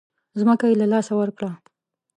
ځمکه یې له لاسه ورکړه.